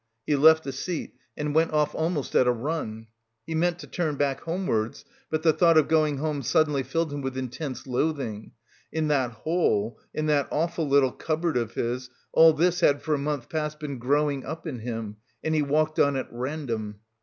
He left the seat, and went off almost at a run; he meant to turn back, homewards, but the thought of going home suddenly filled him with intense loathing; in that hole, in that awful little cupboard of his, all this had for a month past been growing up in him; and he walked on at random.